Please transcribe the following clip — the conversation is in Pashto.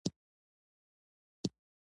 ښه ښوونکی زړونه رڼا کوي.